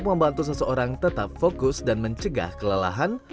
membantu seseorang tetap fokus dan mencegah kelelahan